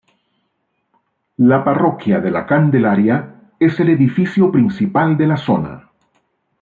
La Parroquia de la Candelaria es el edificio principal de la zona.